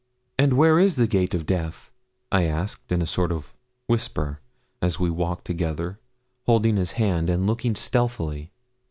'And where is the gate of death?' I asked in a sort of whisper, as we walked together, holding his hand, and looking stealthily.